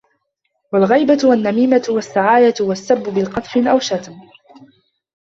الْغِيبَةُ وَالنَّمِيمَةُ وَالسِّعَايَةُ وَالسَّبُّ بِقَذْفٍ أَوْ شَتْمٍ